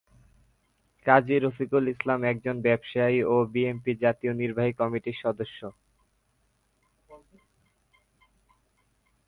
কাজী রফিকুল ইসলাম একজন ব্যবসায়ী ও বিএনপির জাতীয় নির্বাহী কমিটির সদস্য।